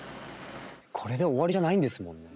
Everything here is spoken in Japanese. これで終わりじゃないんですもんね。